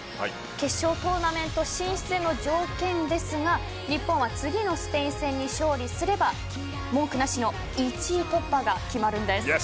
決勝トーナメント進出への条件は日本は次のスペイン戦に勝利すれば文句なしの１位突破が決まるんです。